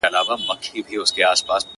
پاچهۍ لره تر لاس تر سترگه تېر وه.!